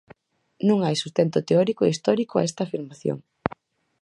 Non hai sustento teórico e histórico a esta afirmación.